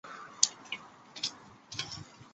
图里亚尔瓦火山位于中部。